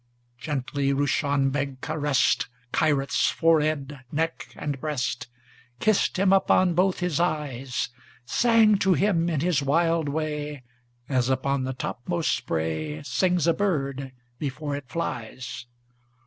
Gently Roushan Beg caressed Kyrat's forehead, neck, and breast; Kissed him upon both his eyes; Sang to him in his wild way, As upon the topmost spray Sings a bird before it flies.